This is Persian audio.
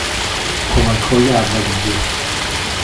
کمکهای اولیه